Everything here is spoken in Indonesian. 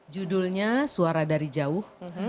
judulnya suara dari jauh